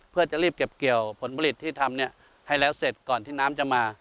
เพื่อจะรีบเก็บเกี่ยวผลผลิตที่ทำให้แล้วเสร็จก่อนที่น้ำจะมา